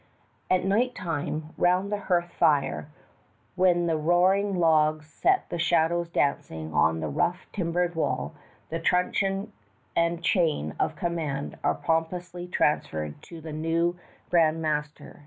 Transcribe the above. At night time, round the hearth fire, when the roaring logs set the shadows dancing on the rough timbered floor, the truncheon and chain of command are pompously transferred to the new Grand Master.